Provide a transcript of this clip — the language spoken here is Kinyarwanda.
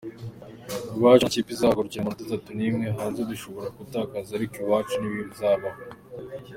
Iwacu nta kipe izahakura amanota atatu n’imwe, hanze dushobora gutakaza ariko iwacu ntibizabaho.